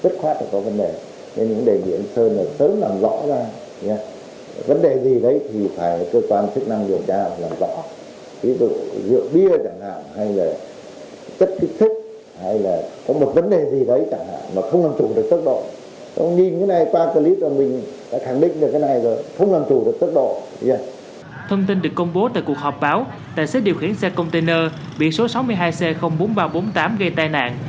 thông tin được công bố tại cuộc họp báo tài xế điều khiển xe container biển số sáu mươi hai c bốn nghìn ba trăm bốn mươi tám gây tai nạn